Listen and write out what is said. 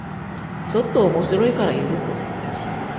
ちょっと面白いから許す